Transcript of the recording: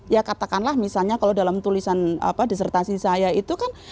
ya katakanlah misalnya kalau dalam tulisan disertasi saya itu kan